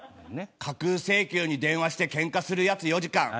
架空請求に電話してけんかするやつ４時間。